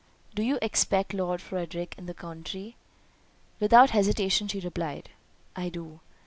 Do you expect Lord Frederick in the country?" Without hesitation she replied, "I do."